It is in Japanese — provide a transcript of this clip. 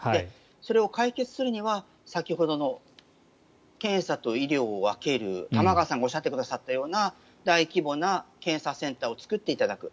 それを解決するには先ほどの、検査と医療を分ける玉川さんがおっしゃってくださったような大規模な検査センターを作っていただく。